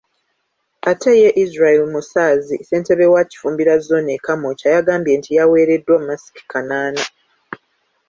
Ate ye Israel Musaazi Ssentebe wa Kifumbira Zzooni e Kamwokya yagambye nti yawereddwa masiki kanaana.